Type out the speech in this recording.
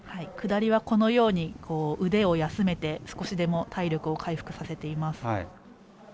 下りは腕を休めて少しでも体力を回復させています。